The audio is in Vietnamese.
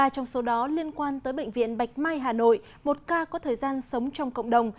ba trong số đó liên quan tới bệnh viện bạch mai hà nội một ca có thời gian sống trong cộng đồng